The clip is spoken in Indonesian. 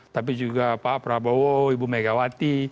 tapi juga pak prabowo ibu megawati